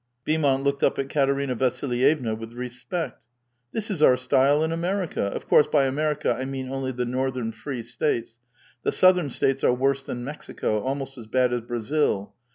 Beaumont looked up at Katerina Vasilyevna with respect. '•This is our style in America; of course by America I mean only the Northern free States. The vSouthern States are worse than Mexico, almost as bad as Brazil."